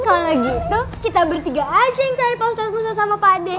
kalau gitu kita bertiga aja yang cari postat musa sama pak ade